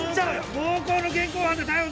暴行の現行犯で逮捕する。